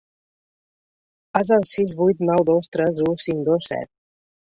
És el sis vuit nou dos tres u cinc dos set.